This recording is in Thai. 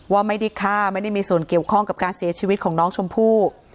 ว่าไม่ได้ฆ่าไม่ได้มีส่วนเกี่ยวข้องกับการเสียชีวิตของน้องชมพู่